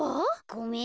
ごめん。